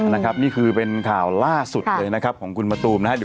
นี่คือเป็นข่าวล่าสุดเลยของคุณมะตูมนะครับ